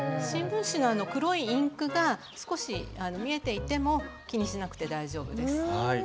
新聞紙のあの黒いインクが少し見えていても気にしなくて大丈夫です。